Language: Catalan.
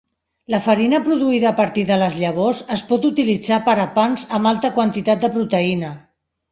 La farina produïda a partir de les llavors es pot utilitzar per a pans amb alta quantitat de proteïna.